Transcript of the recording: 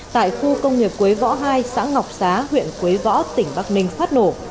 tại khu công nghiệp quế võ hai xã ngọc xá huyện quế võ tỉnh bắc ninh phát nổ